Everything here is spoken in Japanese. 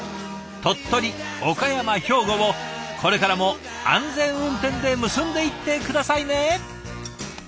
鳥取岡山兵庫をこれからも安全運転で結んでいって下さいね。